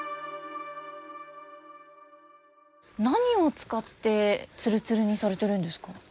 何を使ってツルツルにされてるんですか。